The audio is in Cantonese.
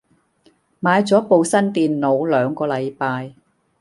買咗部新電腦兩個禮拜